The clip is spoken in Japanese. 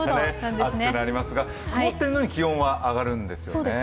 暑くなりますが、曇っているのに気温は上がるんですよね。